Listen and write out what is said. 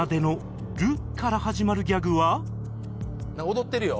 踊ってるよ。